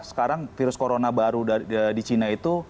sekarang virus corona baru di china itu